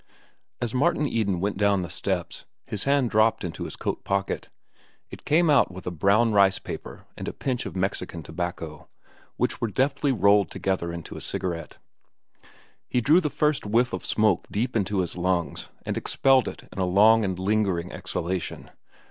As Martin Eden went down the steps, his hand dropped into his coat pocket. It came out with a brown rice paper and a pinch of Mexican tobacco, which were deftly rolled together into a cigarette. He drew the first whiff of smoke deep into his lungs and expelled it in a long and lingering exhalation.